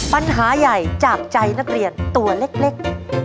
ปัญหาใหญ่จากใจนักเรียนตัวเล็ก